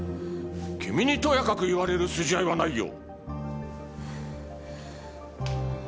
君にとやかく言われる筋合いはないよ。